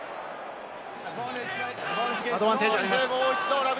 アドバンテージあります。